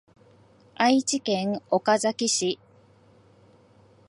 愛知県岡崎市